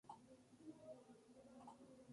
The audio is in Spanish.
La provincia se encuentra en el nordeste del país.